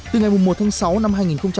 từ ngày một tháng sáu năm hai nghìn một mươi bảy